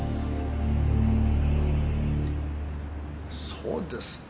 そうですか。